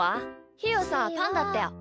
ひーはさパンだったよ。